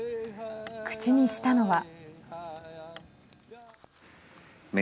口にしたのは。